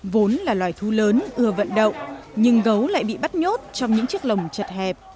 vốn là loài thú lớn ưa vận động nhưng gấu lại bị bắt nhốt trong những chiếc lồng chật hẹp